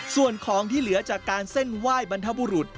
ส่วนของที่เหลือจากการเส้นไหว้บรรพบุรุษ